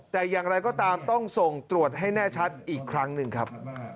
แต่อย่างไรก็ตามต้องส่งตรวจให้แน่ชัดอีกครั้งหนึ่งครับ